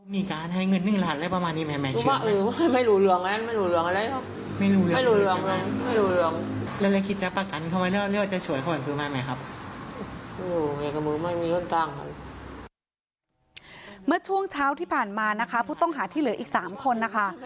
เมื่อช่วงเช้าที่ผ่านมานะคะผู้ต้องหาที่เหลืออีก๓คนนะคะ